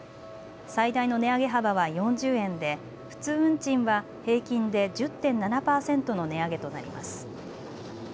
最大の値上げ幅は４０円で普通運賃は平均で１０．７％の値上げとなります。